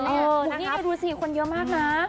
อ๋อนี่เดี๋ยวดูสิคนเยอะมากนะ